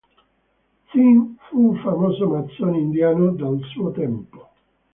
Singh fu un famoso massone indiano del suo tempo.